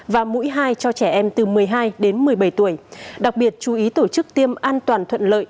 và mũi hai cho trẻ em từ một mươi hai đến một mươi bảy tuổi đặc biệt chú ý tổ chức tiêm an toàn thuận lợi